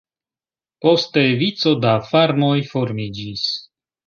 Poste vico da farmoj formiĝis.